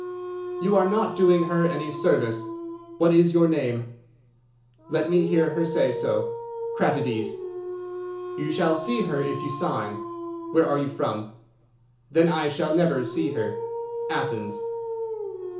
_' "'You are not doing her any service. What is your name?' "'Let me hear her say so. Kratides.' "'You shall see her if you sign. Where are you from?' "'Then I shall never see her. _Athens.